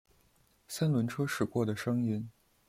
三轮车驶过的声音